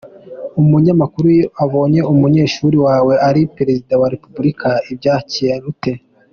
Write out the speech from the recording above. Umunyamakuru: Iyo ubonye umunyeshuri wawe ari Perezida wa Repubulika ubyakira ute?.